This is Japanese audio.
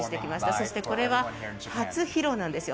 そしてこれが初披露なんですよ。